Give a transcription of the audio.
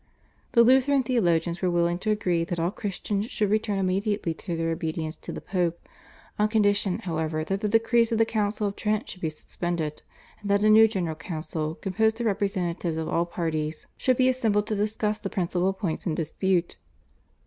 The Lutheran theologians were willing to agree that all Christians should return immediately to their obedience to the Pope, on condition, however, that the decrees of the Council of Trent should be suspended, and that a new General Council composed of representatives of all parties should be assembled to discuss the principal points in dispute.